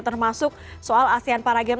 termasuk soal asean para games